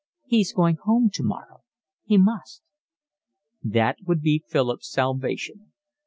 He's going home tomorrow. He must." That would be Philip's salvation.